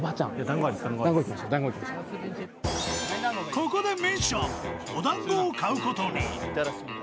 ［ここでミッションお団子を買うことに］